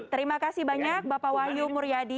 terima kasih banyak bapak wahyu muryadi